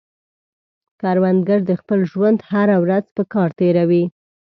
کروندګر د خپل ژوند هره ورځ په کار تېروي